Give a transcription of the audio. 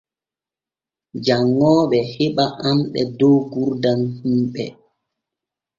Janŋooɓe heɓa anɗe dow gurdam himɓe.